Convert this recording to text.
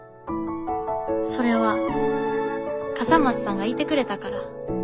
それは笠松さんがいてくれたから。